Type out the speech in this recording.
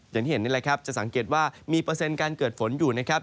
อย่างที่เห็นนี่แหละครับจะสังเกตว่ามีเปอร์เซ็นต์การเกิดฝนอยู่นะครับ